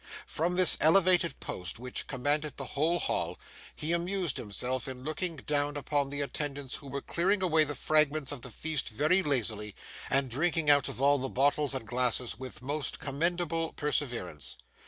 From this elevated post, which commanded the whole hall, he amused himself in looking down upon the attendants who were clearing away the fragments of the feast very lazily, and drinking out of all the bottles and glasses with most commendable perseverance.